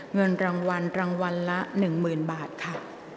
เงินรางวัลรางวัลละ๑๐๐๐บาทค่ะ